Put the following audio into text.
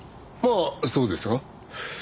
まあそうですが。